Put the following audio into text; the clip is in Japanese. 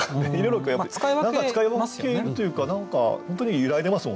使い分けというか何か本当に揺らいでますもんね。